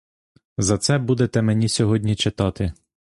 За це будете мені сьогодні читати.